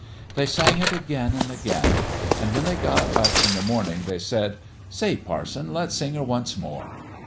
They sang it again and again ; and when they got up in the morn ing, they said :" Say, parson, let's sing her once more